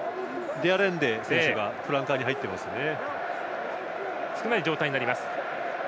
デアレンデ選手がフランカーに入っていますね。